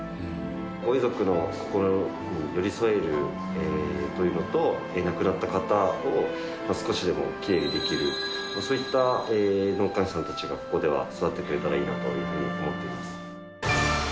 ご遺族の心に寄り添えるというのと亡くなった方を少しでもきれいにできるそういった納棺師さんたちがここでは育ってくれたらいいなというふうに思っております。